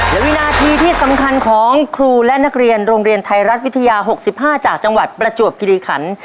และวินาทีที่สำคัญของครูและนักเรียนโรงเรียนไทยรัฐวิทยา๖๕จากจังหวัดประจวบคิริขัน